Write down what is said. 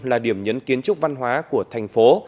là điểm nhấn kiến trúc văn hóa của thành phố